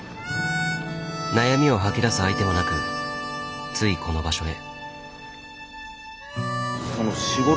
悩みを吐き出す相手もなくついこの場所へ。